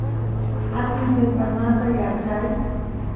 atin senqanmanta yaarchay